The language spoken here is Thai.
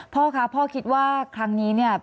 พ่อคะพ่อคิดว่าครั้งนี้เนี่ย